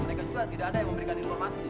mereka juga tidak ada yang memberikan informasi